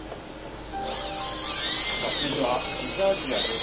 続いては、Ｂｉｚアジアです。